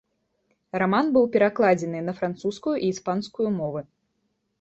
Раман быў перакладзены на французскую і іспанскую мовы.